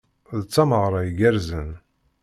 D tameɣra igerrzen.